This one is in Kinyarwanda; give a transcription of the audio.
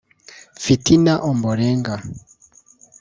Fitina Ombalenga